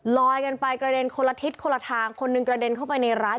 ลอยกันไปกระเด็นคนละทิศคนละทางคนหนึ่งกระเด็นเข้าไปในร้าน